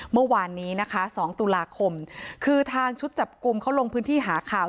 เมื่อวานนี้นะคะ๒ตุลาคมคือทางชุดจับกลุ่มเขาลงพื้นที่หาข่าว